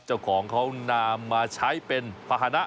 เจ้าของเขานำมาใช้เป็นภาษณะ